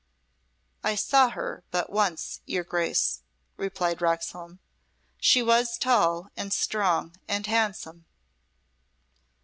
"I saw her but once, your Grace," replied Roxholm. "She was tall and strong and handsome."